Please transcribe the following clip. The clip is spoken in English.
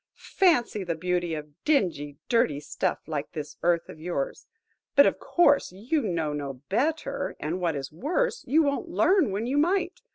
Fancy the beauty of dingy, dirty stuff like this earth of yours! But, of course, you know no better; and, what is worse, you won't learn when you might.